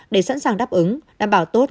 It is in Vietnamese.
để sẵn sàng đáp ứng đảm bảo tốt